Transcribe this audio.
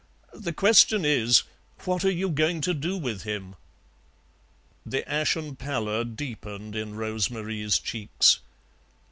The question is: What are you going to do with him?" The ashen pallor deepened in Rose Marie's cheeks. Mrs.